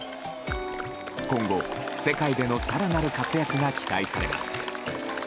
今後、世界での更なる活躍が期待されます。